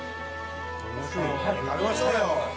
早く食べましょうよ。